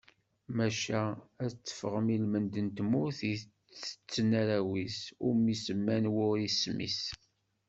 Maca ad d-tefɣen ilmend n tmurt i tetten arraw-is, umi semman war isem-is.